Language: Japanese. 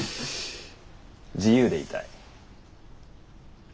自由でいたい。